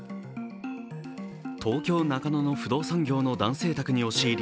東京・中野の不動産業の男性宅に押し入り